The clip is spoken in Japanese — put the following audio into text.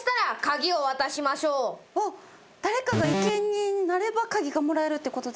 誰かが生贄になれば鍵がもらえるってことですか？